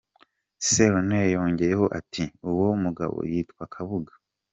Sarunei yongeye ho ati :“ Uwo mugabo yitwa Kabuga”.